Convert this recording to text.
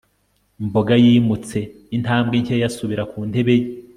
mboga yimutse intambwe nkeya asubira ku ntebe ye